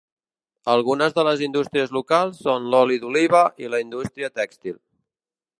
Algunes de les indústries locals són l'oli d'oliva i la indústria tèxtil.